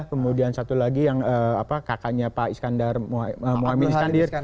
kemudian satu lagi yang kakaknya pak iskandar mohamad iskandar